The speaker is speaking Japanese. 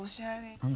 何だ？